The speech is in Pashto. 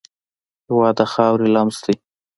هېواد د خاورې لمس دی.